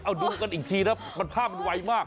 เอาดูกันอีกทีนะภาพมันไวมาก